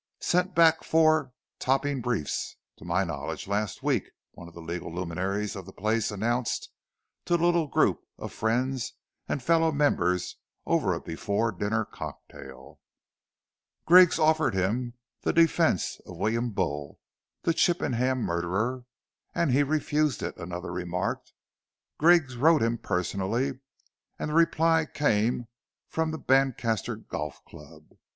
"Sent back four topping briefs, to my knowledge, last week," one of the legal luminaries of the place announced to a little group of friends and fellow members over a before dinner cocktail. "Griggs offered him the defence of William Bull, the Chippenham murderer, and he refused it," another remarked. "Griggs wrote him personally, and the reply came from the Brancaster Golf Club!